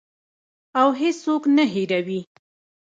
او هیڅوک نه هیروي.